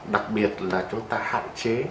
đặc biệt là chúng ta hạn chế